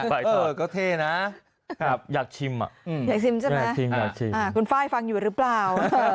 ไอ้ฟ้ายทอดก็เท่นะครับอยากชิมคุณฟ้ายฟังอยู่หรือเปล่า